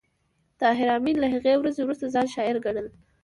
طاهر آمین له هغې ورځې وروسته ځان شاعر ګڼل